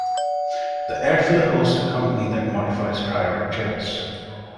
The airfield host a company that modifies private jets.